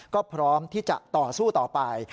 ก็พร้อมที่จะต่อสู้ต่อไป